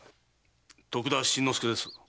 徳田新之助です。